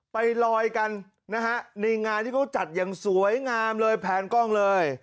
ไปลอยกันนะฮะในงานที่เขาจัดอย่างสวยงามเลยแผนกล้องเลย